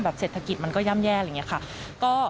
เศรษฐกิจมันก็ย่ำแย่อะไรอย่างนี้ค่ะ